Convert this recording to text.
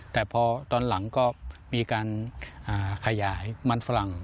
แต่พอตอนหลังก็มีการขยายมันฝรั่ง